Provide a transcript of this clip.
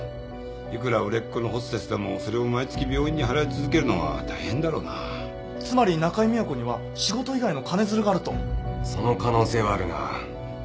いくら売れっ子のホステスでもそれを毎月病院に払い続けるのは大変だろうなつまり中井美和子には仕事以外の金づるがあるとその可能性はあるなぁ